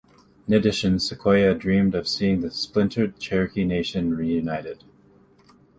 In addition, Sequoyah dreamed of seeing the splintered Cherokee Nation reunited.